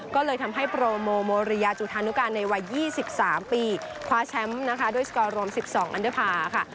ก็เลยทำให้โปรโมโมเรียจุธานุการในวัย๒๓ปีคว้าแชมป์นะคะด้วยสกอร์รวม๑๒อันเดอร์พาร์ค่ะ